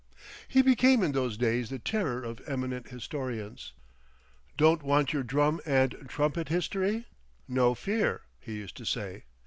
_" He became in those days the terror of eminent historians. "Don't want your drum and trumpet history—no fear," he used to say.